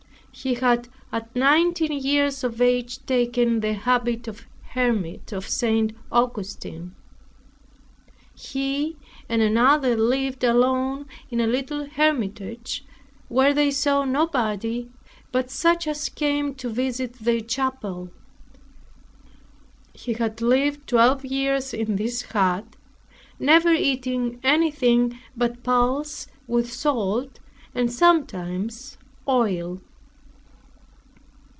He had at nineteen years of age taken the habit of hermit of St. Augustine. He and another lived alone in a little hermitage, where they saw nobody but such as came to visit their chapel. He had lived twelve years in this hut, never eating anything but pulse with salt, and sometimes oil.